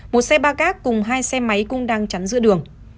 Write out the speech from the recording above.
một xe ba gác cùng hai xe máy cũng đang chắn giữa đường